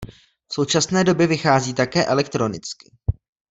V současné době vychází také elektronicky.